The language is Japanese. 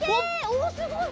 おおすごい！